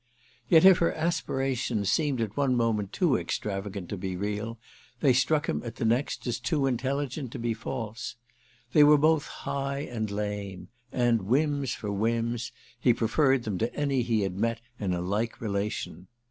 Yet if her aspirations seemed at one moment too extravagant to be real they struck him at the next as too intelligent to be false. They were both high and lame, and, whims for whims, he preferred them to any he had met in a like relation.